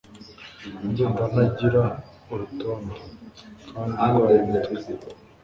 Ndumva ntagira urutonde kandi ndwaye umutwe.